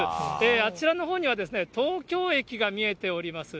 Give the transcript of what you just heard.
あちらのほうには、東京駅が見えております。